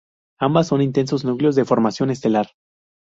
Ambas son intensos núcleos de formación estelar.